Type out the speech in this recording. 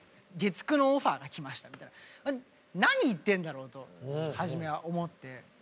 「月９のオファーが来ました」みたいな何言ってるんだろうと初めは思って。